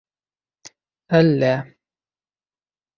— Әллә...